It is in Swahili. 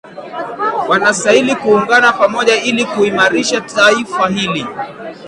wanastahili kuungana pamoja ili kuimarisha taifa hili